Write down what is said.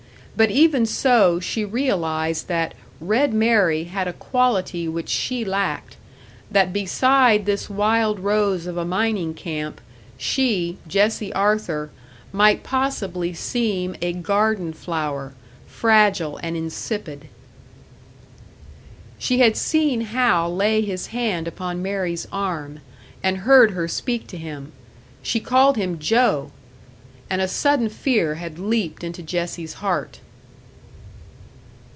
But even so, she realised that "Red Mary" had a quality which she lacked that beside this wild rose of a mining camp, she, Jessie Arthur, might possibly seem a garden flower, fragile and insipid. She had seen Hal lay his hand upon Mary's arm, and heard her speak to him. She called him Joe! And a sudden fear had leaped into Jessie's heart.